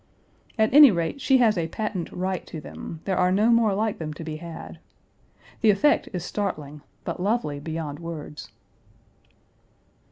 At any rate, she has a patent right to them; there are no more like them to be had. The effect is startling, but lovely beyond words.